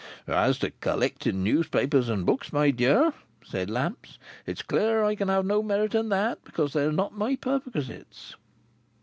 "As to collecting newspapers and books, my dear," said Lamps, "it's clear I can have no merit in that, because they're not my perquisites.